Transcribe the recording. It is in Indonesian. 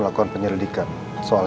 pikir kulik aku pengen bisa ga habis segitu